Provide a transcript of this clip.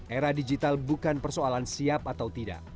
era digital bukan persoalan siap atau tidak